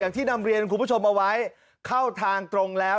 ที่นำเรียนคุณผู้ชมเอาไว้เข้าทางตรงแล้ว